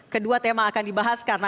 kedua tema akan dibahas karena